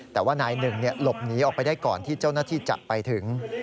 แต่ว่านายหนึ่งหลบหนีออกไปได้ก่อนที่เจ้าหน้าที่จะไปถึง